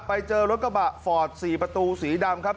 ไปเจอรถกระบะฟอร์ด๔ประตูสีดำครับ